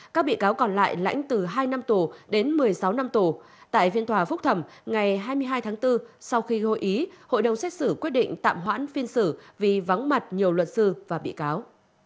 các bị cáo còn lại lãnh từ hai năm tù đến một mươi sáu năm tù tại phiên tòa phúc thẩm ngày hai mươi hai tháng bốn sau khi hội ý hội đồng xét xử quyết định tạm hoãn phiên xử vì vắng mặt nhiều luật sư và bị cáo